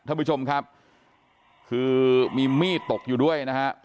ท่านผู้ชมครับคือมีมีดตกอยู่ด้วยนะฮะ